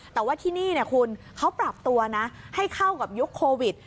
แต่ว่าที่นี่คุณเขาปรับตัวนะให้เข้ากับยุคโควิด